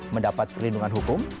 mendapat perlindungan hukum